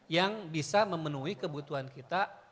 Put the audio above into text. yang bisa memenuhi kebutuhan kita